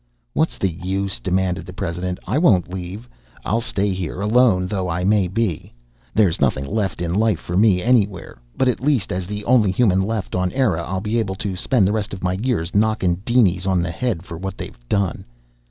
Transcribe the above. "What's the use," demanded the president. "I won't leave! I'll stay here, alone though I may be. There's nothing left in life for me anywhere, but at least, as the only human left on Eire I'll be able to spend the rest of my years knockin' dinies on the head for what they've done!"